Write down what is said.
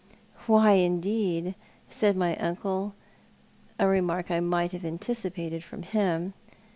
" "Wliy, indeed?" said my uncle, a remark I might have anticipated from him.